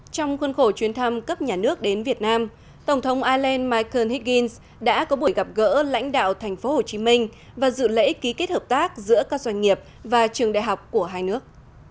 trong khuôn khổ chuyến thăm cấp nhà nước đến việt nam tổng thống ireland michael higgins đã có buổi gặp gỡ lãnh đạo thành phố hồ chí minh và dự lễ ký kết hợp tác giữa các doanh nghiệp và trường đại học của hai nước